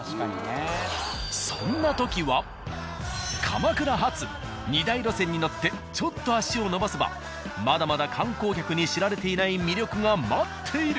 ［鎌倉発二大路線に乗ってちょっと足を延ばせばまだまだ観光客に知られていない魅力が待っている！］